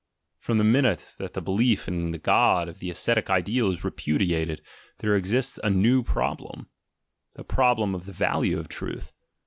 From the minute that the belief in the God of the ascetic ideal is repudiated, there exists a ncd) problem: the problem of the value of truth.